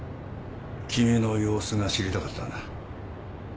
君の様子が知りたかったんだ。